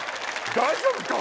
大丈夫か？